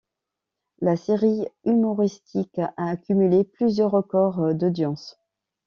La série humoristique a accumulé plusieurs records d'audience.